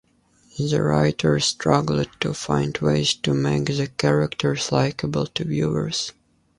The writers struggled to find ways to make the characters "likable" to viewers.